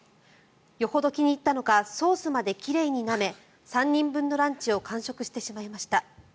よほど気に入ったのかソースまで奇麗になめ３人分のランチを完食してしまいました。